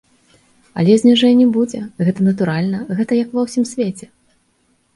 Але зніжэнне будзе, гэта натуральна, гэта як ва ўсім свеце.